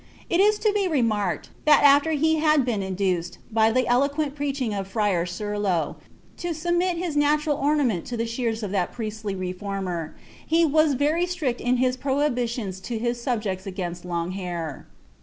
"' It is to be remarked, that after he had been inducMLbf llie eloquent preaching of friar Serlo, lo submit (his natural ornainait to the siiearB of iliai priesily reformer, he was verj' strict in Lb prohibilkm to his subjects against long hair.